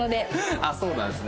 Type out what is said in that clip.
あっそうなんですね。